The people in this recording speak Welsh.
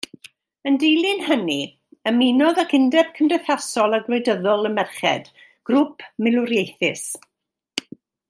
Yn dilyn hynny, ymunodd ag Undeb Cymdeithasol a Gwleidyddol y Merched, grŵp milwriaethus.